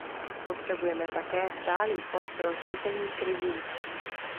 Potřebujeme také stálý fond pro řízení krizí.